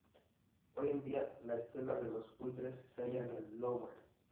Hoy en día, la "Estela de los Buitres" se halla en el Louvre.